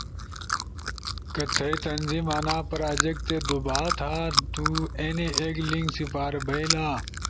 ُو کہ تھئی تنظیم آنا پراجیکٹ تے دُوبھاتا تُو اینے ایک لنک سپاربھییلا